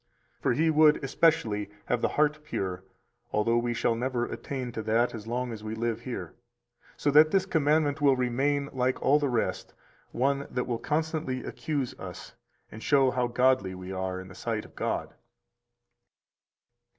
For He would especially have the heart pure, although we shall never attain to that as long as we live here; so that this commandment will remain, like all the rest, one that will constantly accuse us and show how godly we are in the sight of God!